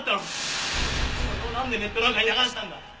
それをなんでネットなんかに流したんだ！？